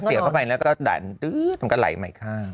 เสี่ยวเข้าไปแล้วก็ดันตรงกันไหลออกมาอีกข้าง